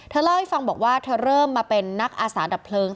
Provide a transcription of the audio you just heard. เล่าให้ฟังบอกว่าเธอเริ่มมาเป็นนักอาสาดับเพลิง